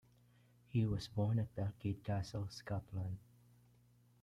He was born at Dalkeith Castle, Scotland.